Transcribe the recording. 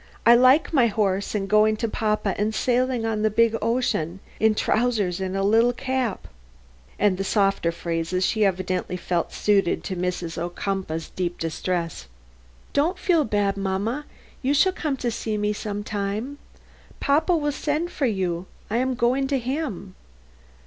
I like my horse and going to papa and sailing on the big ocean, in trousers and a little cap," and the softer phrases she evidently felt better suited to Mrs. Ocumpaugh's deep distress: "Don't feel bad, mamma, you shall come see me some time. Papa will send for you. I am going to him."